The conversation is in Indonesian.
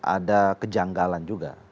ada kejanggalan juga